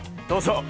どうぞ！